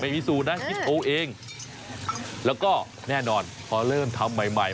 ไม่มีสูตรนะคิดตัวเองแล้วก็แน่นอนพอเริ่มทำใหม่